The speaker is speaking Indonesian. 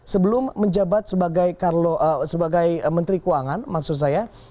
sebelum menjabat sebagai menteri keuangan maksud saya